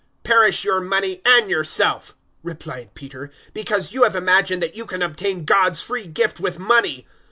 008:020 "Perish your money and yourself," replied Peter, "because you have imagined that you can obtain God's free gift with money!